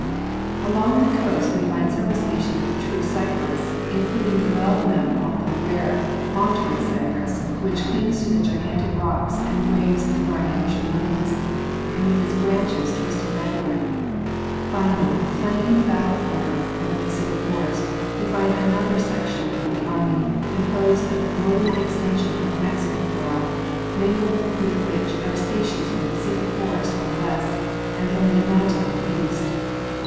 Along the coast we find several species of true cypress, in cluding the well known although rare Monterey cypress which clings to the gigantic rocks and braves the briny ocean winds, and with its branches twisted landward. Finally, flanking the battle order of the Pacific forest, we find another section of the army, composed of the northern extension of the Mexican flora mingled with which are species from the Pacific forest on the west and from the Atlantic on the east.